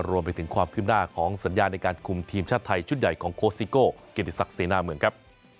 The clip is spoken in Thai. รวมไปถึงความขึ้นหน้าของสัญญาในการคุมทีมชาติไทยชุดใหญ่ของโค้ชซิโก้เกียรติศักดิ์เสนาเมืองครับ